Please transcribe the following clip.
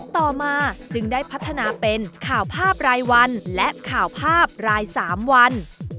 ต่อมาจึงได้พัฒนาเป็นข่าวภาพรายวันและข่าวภาพราย๓วัน